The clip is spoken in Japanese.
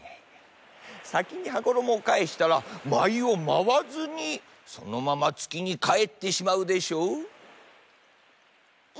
さきに羽衣をかえしたらまいをまわずにそのままつきにかえってしまうでしょう？